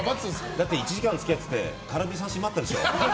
だって１時間付き合って空振り三振ばっかだったでしょ。